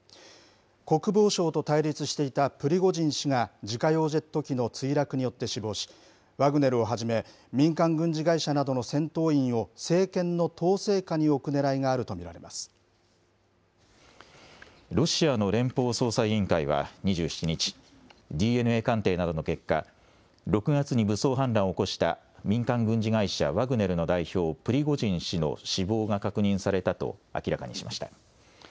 国防省と対立していたプリゴジン氏が自家用ジェット機の墜落によって死亡し、ワグネルをはじめ、民間軍事会社などの戦闘員を政権の統制下に置くねらいがあると見ロシアの連邦捜査委員会は２７日、ＤＮＡ鑑定などの結果、６月に武装反乱を起こした民間軍事会社ワグネルの代表、プリゴジン氏の死亡が確認されたと明らかにしました。